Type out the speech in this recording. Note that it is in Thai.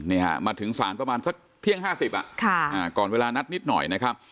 นี่ฮะมาถึงสารประมาณสักเที่ยงห้าสิบอ่ะค่ะก่อนเวลานัดนิดหน่อยนะครับ